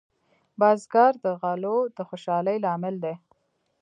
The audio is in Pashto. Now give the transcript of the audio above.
بزګر د غلو د خوشحالۍ لامل دی